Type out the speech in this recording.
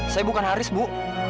saya bukan haris bu